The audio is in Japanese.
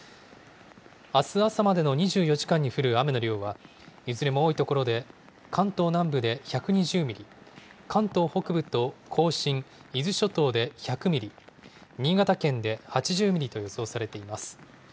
あす朝までの２４時間に降る雨の量は、いずれも多い所で関東南部で１２０ミリ、関東北部と甲信、伊豆諸島で１００ミリ、新潟県で８０ミリと予想されています。